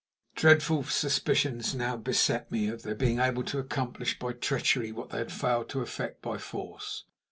Dreadful suspicions now beset me of their being able to accomplish by treachery what they had failed to effect by force.